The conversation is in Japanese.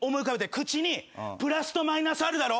「口」にプラスとマイナスあるだろ。